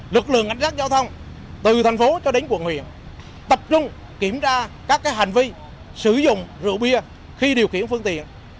lực lượng ánh sát giao thông từ thành phố cho đến quận huyện tập trung kiểm tra các hành vi sử dụng rượu bia khi điều khiển phương tiện